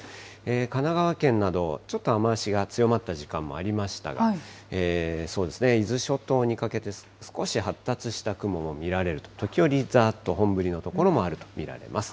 神奈川県など、ちょっと雨足が強まった時間もありましたが、そうですね、伊豆諸島にかけて少し発達した雲も見られると、時折、ざーっと本降りの所もあると見られます。